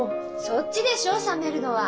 そっちでしょ冷めるのは。